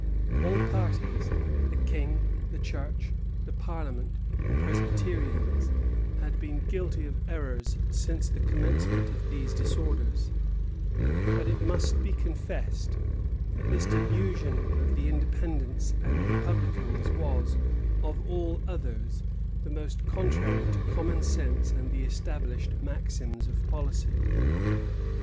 All parties, the king, the church, the parliament, the Presbyterians, had been guilty of errors since the commencement of these disorders: but it must be confessed, that this delusion of the Independents and republicans was, of all others, the most contrary to common sense and the established maxims of policy.